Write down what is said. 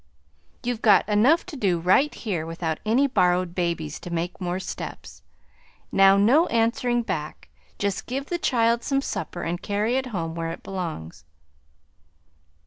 "You've got enough to do right here, without any borrowed babies to make more steps. Now, no answering back, just give the child some supper and carry it home where it belongs."